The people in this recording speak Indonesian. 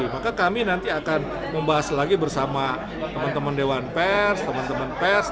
maka kami nanti akan membahas lagi bersama teman teman dewan pers teman teman pers